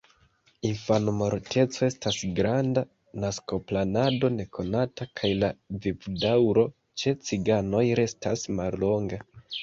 Infanmorteco estas granda, naskoplanado nekonata kaj la vivdaŭro ĉe ciganoj restas mallonga.